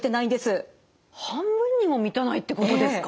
半分にも満たないってことですか？